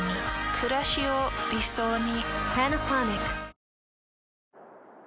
くらしを理想に。